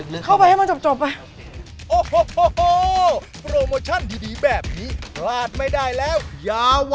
ลาไปแล้วสวัสดีค่ะสวัสดีค่ะ